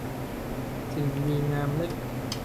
สิ่งดีงามเล็ก